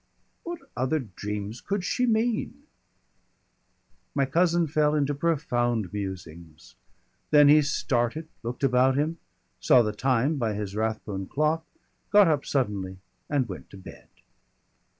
"What other dreams could she mean?" My cousin fell into profound musings. Then he started, looked about him, saw the time by his Rathbone clock, got up suddenly and went to bed.